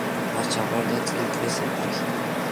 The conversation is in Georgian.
მას ჩაბარდა წილკნის ეპარქია.